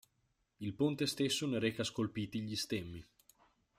Il ponte stesso ne reca scolpiti gli stemmi.